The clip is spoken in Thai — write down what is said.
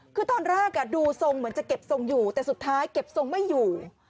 คือตอนแรกดูทรงเหมือนจะเก็บทรงอยู่แต่สุดท้ายเก็บทรงไม่อยู่